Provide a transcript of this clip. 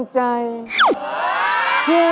อาหารการกิน